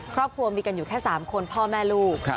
ครอบครัวมีกันอยู่แค่๓คนพ่อแม่ลูก